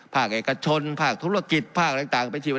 พากัยไทยกระชนทหารทุกธลวงกิจพากัยอะไรต่าง